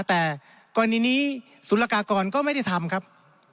แต่ก่อนนี้สุรากากรก็ไม่ได้ทำครับ